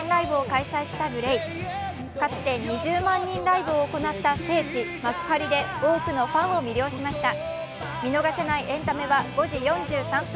かつて２０万人ライブを行った聖地・幕張で多くのファンを魅了しました。